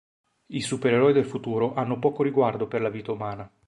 I supereroi del futuro hanno poco riguardo per la vita umana.